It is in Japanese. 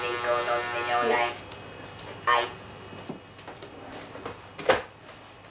はい。